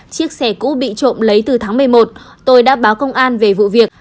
chiếc xe cũ bị trộm lấy từ tháng một mươi một tôi đã báo công an về vụ việc